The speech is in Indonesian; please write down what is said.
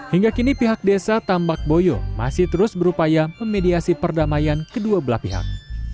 hingga kini pihak desa tambak boyo masih terus berupaya memediasi perdamaian kedua belah pihak